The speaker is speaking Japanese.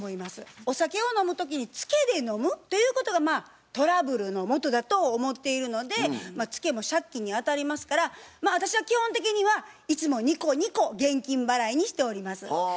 お酒を飲む時にツケで飲むということはトラブルのもとだと思っているのでツケも借金にあたりますから私は基本的にはいつもニコニコ現金払いにしております。